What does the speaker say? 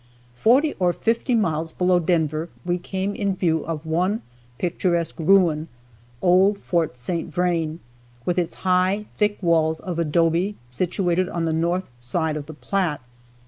Forty or fifty miles below Denver we came in view of one picturesque ruin old Fort St. Vrain with its high, thick walls of adobe situated on the north side of the Platte.